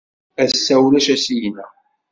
Ass-a, ulac asigna.